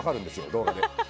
動画で。